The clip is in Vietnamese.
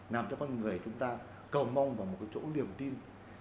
làm cho con người chúng ta cầu mong vào một chỗ liều tin